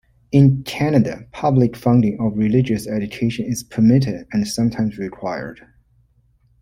In Canada public funding of religious education is permitted, and sometimes required.